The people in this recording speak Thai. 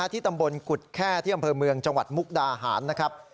ที่ตำบลกุฎแค่ที่อำเภอเมืองจังหวัดมุกดาหารนะครับ